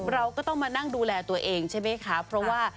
เราก็ต้องมานั่งดูแลตัวเองใช่ไหมคะเพราะว่า